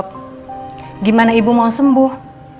bagaimana ibu mau sembuh